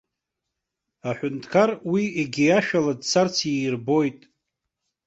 Аҳәынҭқар уи егьи ашә ала дцарц иирбоит.